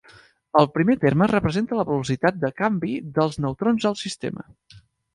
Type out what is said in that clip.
El primer terme representa la velocitat de canvi dels neutrons al sistema.